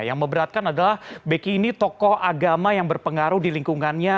yang memberatkan adalah beki ini tokoh agama yang berpengaruh di lingkungannya